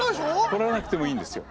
掘らなくてもいいんですよ。